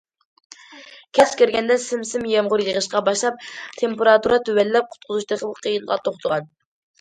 كەچ كىرگەندە، سىم- سىم يامغۇر يېغىشقا باشلاپ، تېمپېراتۇرا تۆۋەنلەپ، قۇتقۇزۇش تېخىمۇ قىيىنغا توختىغان.